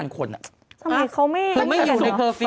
ทำไมเขาไม่อยู่ในเคอร์ฟิล